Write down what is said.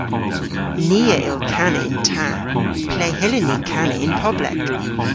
Ni a yll kana yn ta. Ple hyllyn ni kana yn poblek?